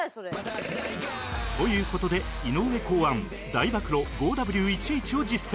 という事で井上考案大暴露 ５Ｗ１Ｈ を実践